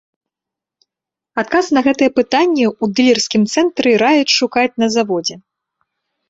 Адказ на гэтае пытанне ў дылерскім цэнтры раяць шукаць на заводзе.